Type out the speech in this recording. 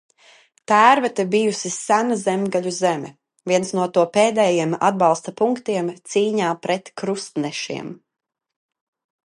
Tērvete bijusi sena zemgaļu zeme, viens no to pēdējiem atbalsta punktiem cīņā pret krustnešiem.